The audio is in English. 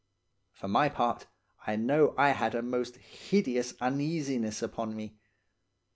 For my part, I know I had a most hideous uneasiness upon me.